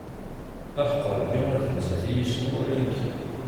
Aḥeqq Rebbi ar d nettat i yessnen wala nekki.